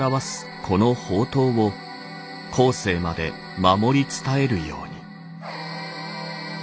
この法灯を後世まで守り伝えるように」。